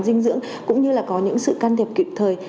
trưởng cũng như là có những sự can thiệp kịp thời